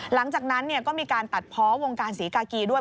หลังจากนั้นก็มีการตัดเพาะวงการศรีกากีด้วย